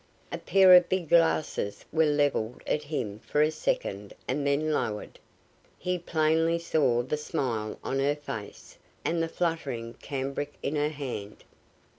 A pair of big glasses was leveled at him for a second and then lowered. He plainly saw the smile on her face, and the fluttering cambric in her hand.